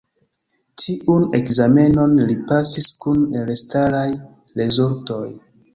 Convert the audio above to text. Tiun ekzamenon li pasis kun elstaraj rezultoj.